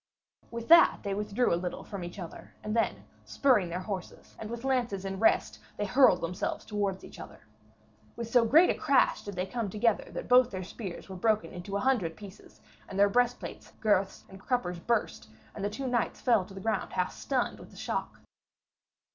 With that they withdrew a little from each other, and then, spurring their horses, and with lances in rest, they hurled themselves towards each other. With so great a crash did they come together that both their spears were broken into a hundred pieces, and their breastplates, girths and cruppers burst, and the two knights fell to the ground half stunned with the shock.